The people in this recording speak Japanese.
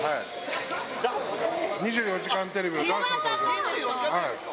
２４時間テレビのダーツの旅です。